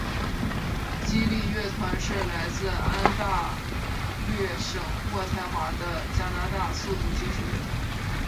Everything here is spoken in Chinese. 激励乐团是来自安大略省渥太华的加拿大速度金属乐团。